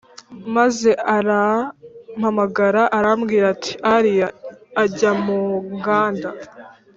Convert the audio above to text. Maze arampamagara arambwira ati Ariya ajya mu nganda